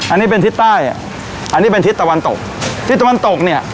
อันนี้เป็นทิศใต้อ่ะอันนี้เป็นทิศตะวันตกทิศตะวันตกเนี่ย